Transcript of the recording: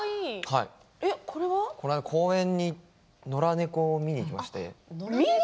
この間公園に野良猫を見に行きまして。